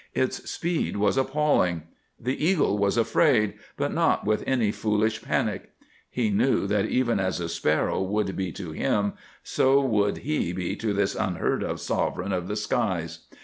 Its speed was appalling. The eagle was afraid, but not with any foolish panic. He knew that even as a sparrow would be to him, so would he be to this unheard of sovereign of the skies.